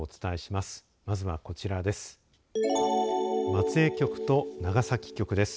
まずは、こちらです。